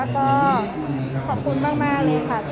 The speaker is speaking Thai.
ก็ขอบคุณมากเลยค่ะ